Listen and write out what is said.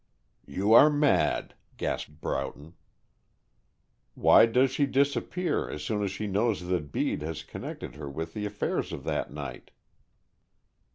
"You are mad," gasped Broughton. "Why does she disappear, as soon as she knows that Bede has connected her with the affairs of that night?"